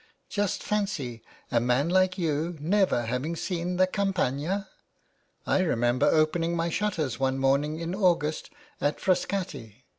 Just fancy a man like you never having seen the Campagna. I remember opening my shutters one morning in AugustatFrascati.